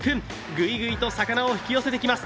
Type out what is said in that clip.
ぐいぐいと魚を引き寄せてきます。